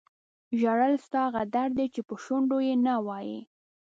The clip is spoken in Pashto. ژړل ستا هغه درد دی چې په شونډو یې نه وایې.